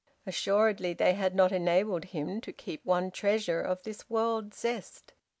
Assuredly they had not enabled him to keep the one treasure of this world zest.